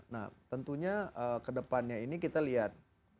nah tentunya ke depannya ini kita lihat